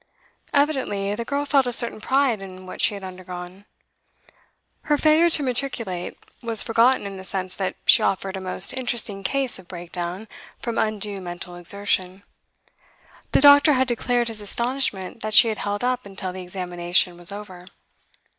Evidently the girl felt a certain pride in what she had undergone. Her failure to matriculate was forgotten in the sense that she offered a most interesting case of breakdown from undue mental exertion. The doctor had declared his astonishment that she held up until the examination was over.